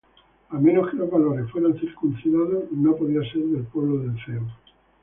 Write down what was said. A menos que los varones fueran circuncidados, no podían ser del pueblo de Dios.